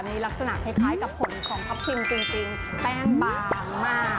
มีลักษณะคล้ายกับผลของทัพทิมจริงแป้งบางมาก